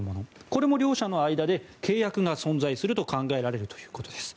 これも両者の間で契約が存在すると考えられるということです。